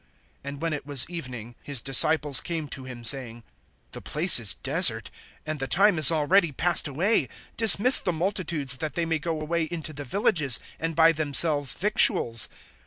(15)And when it was evening, his disciples came to him, saying: The place is desert, and the time is already passed away; dismiss the multitudes, that they may go away into the villages, and buy themselves victuals.